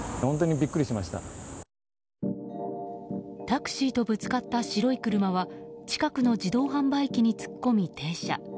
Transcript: タクシーとぶつかった白い車は近くの自動販売機に突っ込み停車。